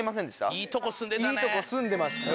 いいとこ住んでたね。